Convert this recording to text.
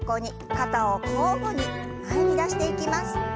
肩を交互に前に出していきます。